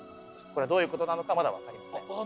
これはどういうことなのかまだ分かりません。